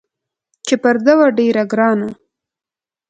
چې پر ده وه ډېره ګرانه